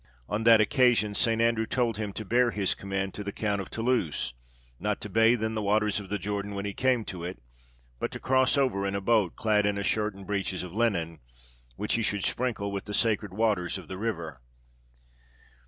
On that occasion St. Andrew told him to bear his command to the Count of Toulouse not to bathe in the waters of the Jordan when he came to it, but to cross over in a boat, clad in a shirt and breeches of linen, which he should sprinkle with the sacred waters of the river.